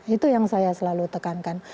itu yang saya selalu tekankan